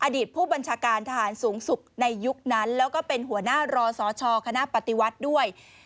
อดีตผู้บัญชาการทหารสูงสุดในยุคนั้นแล้วก็เป็นหัวหน้ารอสชคณะปฏิวัติด้วย